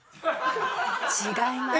違います。